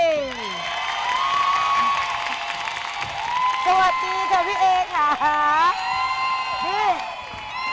สวัสดีค่ะพี่เอ๊ค่า